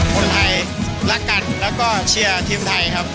คนไทยรักกันแล้วก็เชียร์ทีมไทยครับ